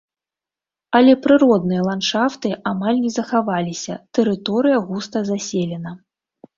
Але прыродныя ландшафты амаль не захаваліся, тэрыторыя густа заселена.